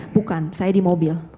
bukan saya di mobil